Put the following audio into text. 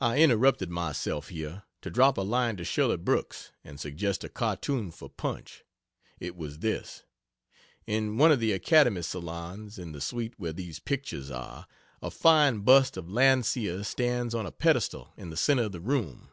I interrupted myself here, to drop a line to Shirley Brooks and suggest a cartoon for Punch. It was this. In one of the Academy salons (in the suite where these pictures are), a fine bust of Landseer stands on a pedestal in the centre of the room.